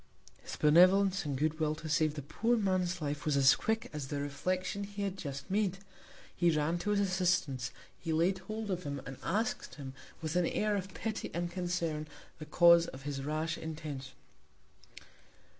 His Benevolence, and good Will to save the poor Man's Life, was as quick as the Reflection he had just made! He ran to his Assistance; he laid hold of him; and ask'd him, with an Air of Pity and Concern, the Cause of his rash Intention.